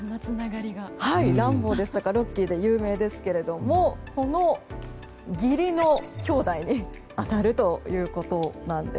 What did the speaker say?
ランボーとかロッキーで有名ですけれどもこの義理の兄弟に当たるということなんです。